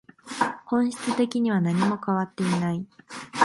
本質的には何も変わっていない